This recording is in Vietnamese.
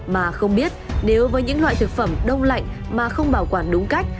mà không biết nếu với những loại thực phẩm đông lạnh mà không bảo quản đúng cách